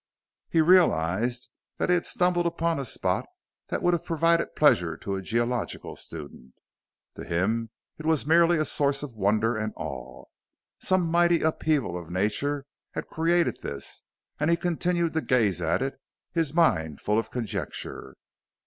He realized that he had stumbled upon a spot that would have provided pleasure to a geological student. To him it was merely a source of wonder and awe. Some mighty upheaval of nature had created this, and he continued to gaze at it, his mind full of conjecture.